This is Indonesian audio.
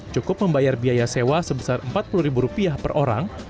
cukup membayar biaya sewa sebesar empat puluh ribu rupiah per orang